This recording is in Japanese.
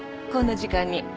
こんな時間に。